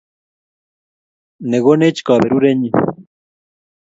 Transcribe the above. Ne konech kaberurennyi.